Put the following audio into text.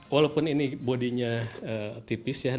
walau tidak gitar ini tidak bisa dihubungi dengan gitar asal bandung